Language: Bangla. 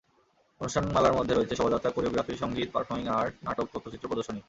অনুষ্ঠানমালার মধ্যে রয়েছে শোভাযাত্রা, কোরিওগ্রাফি, সংগীত, পারফর্মিং আর্ট, নাটক, তথ্যচিত্র প্রদর্শনী।